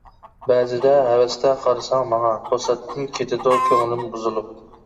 بەزىدە ھەۋەستە قارىساڭ ماڭا، توساتتىن كېتىدۇ كۆڭلۈم بۇزۇلۇپ.